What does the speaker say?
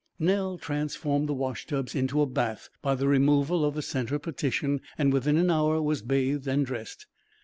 Humph!..." Nell transformed the washtubs into a bath by the removal of the centre partition, and within an hour was bathed and dressed.